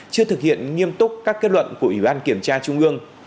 chưa thực hiện nghiêm túc các kết luận của ủy ban kiểm tra trung ương